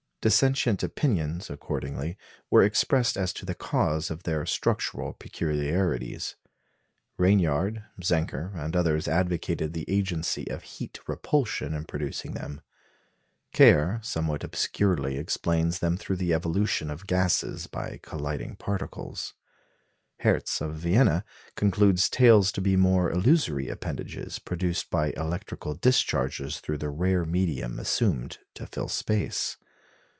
Dissentient opinions, accordingly, were expressed as to the cause of their structural peculiarities. Ranyard, Zenker, and others advocated the agency of heat repulsion in producing them; Kiaer somewhat obscurely explains them through the evolution of gases by colliding particles; Herz of Vienna concludes tails to be mere illusory appendages produced by electrical discharges through the rare medium assumed to fill space.